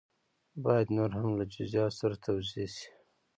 باید نور هم له جزیاتو سره توضیح شي.